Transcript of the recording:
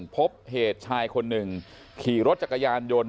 พบเหตุชายคนหนึ่งขี่รถจักรยานยนต์